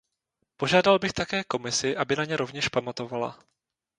Požádal bych také Komisi, aby na ně rovněž pamatovala.